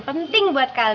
tadi aku sudahtikamegali